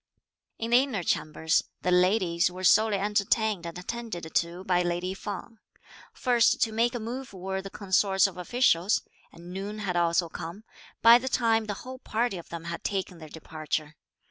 In the inner Chambers, the ladies were solely entertained and attended to by lady Feng. First to make a move were the consorts of officials; and noon had also come, by the time the whole party of them had taken their departure.